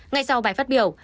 ngay sau bài phát biểu